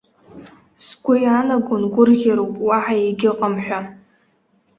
Сгәы иаанагон, гәырӷьароуп уаҳа егьыҟам ҳәа.